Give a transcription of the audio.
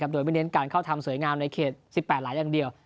โดยไม่เน้นการเข้าทำสวยงามในเขต๑๘หลายอย่างเดียว